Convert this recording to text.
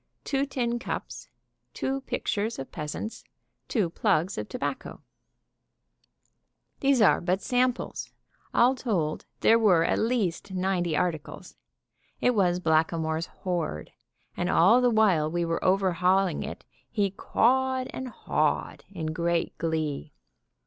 Two tin cups. Two pictures of peasants. Two plugs of tobacco. These are but samples. All told, there were at; least ninety articles. It was Blackamoor's hoard; and all the while we were overhauling it he cawed and hawed in great glee!